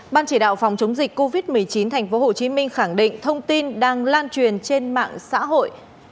ban chỉ đạo phòng chống dịch covid một mươi chín tp hcm khẳng định thông tin đang lan truyền trên mạng xã hội